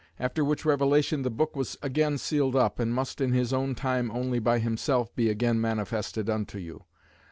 After which revelation the book was again sealed up, and must in his own time only by himself be again manifested unto you.